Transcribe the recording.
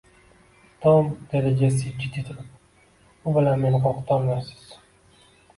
Tom, dedi Jessi jiddiy turib, bu bilan meni qo`rqitolmaysiz